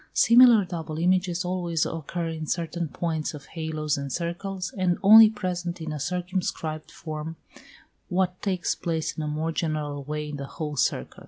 Similar double images always occur in certain points of halos and circles, and only present in a circumscribed form what takes place in a more general way in the whole circle.